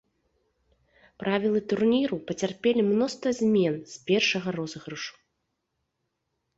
Правілы турніру пацярпелі мноства змен з першага розыгрышу.